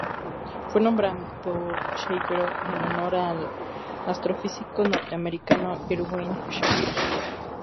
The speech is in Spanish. Fue nombrado Shapiro en honor al astrofísico norteamericano Irwin I. Shapiro.